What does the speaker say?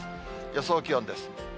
予想気温です。